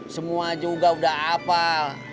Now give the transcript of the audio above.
semua juga udah hafal